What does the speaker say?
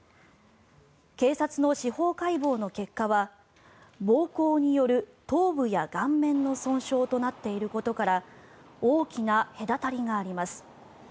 警察の司法解剖の結果は暴行による頭部や顔面の損傷となっていることから大きな隔たりがあります。